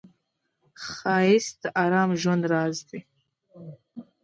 ښایست د آرام ژوند راز دی